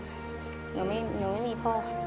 หนูไม่มีพ่อ